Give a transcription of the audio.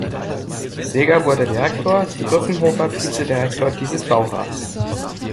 Seeger wurde Direktor, Duttenhofer Vizedirektor dieses Baurats.